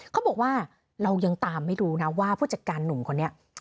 เขาบอกว่าเรายังตามไม่รู้นะว่าผู้จัดการหนุ่มคนนี้